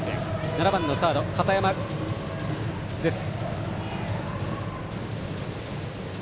７番のサード、片山孝です。